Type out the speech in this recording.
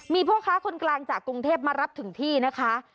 มีพ่อค้าคนกลางจากกรุงเทพมารับถึงที่นะคะ